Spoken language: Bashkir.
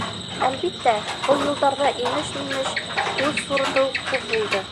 Әлбиттә, был йылдарҙа имеш-мимеш, һүҙ сурытыу күп булды.